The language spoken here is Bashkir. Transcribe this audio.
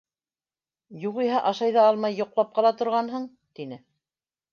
Юғиһә ашай ҙа алмай йоҡлап ҡала торғанһың, — тине.